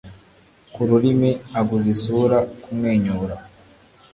ku rurimi, aguza isura, kumwenyura